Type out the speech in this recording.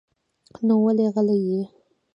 نو ولې غلی يې؟